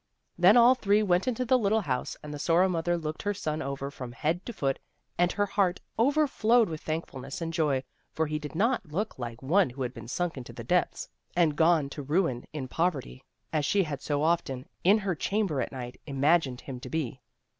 Then all three went into the little house, and the Sorrow mother looked her son over from head to foot, and her heart overflowed with thankfulness and joy, for he did not look like one who had heen sunk into the depths and gone to ruin in poverty, as she had so often, in her cham ber at night, imagined him to be.